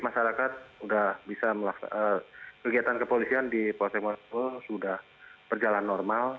masyarakat sudah bisa melaksanakan kegiatan kepolisian di polsek marusebo sudah berjalan normal